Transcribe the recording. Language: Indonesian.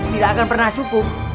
tidak akan pernah cukup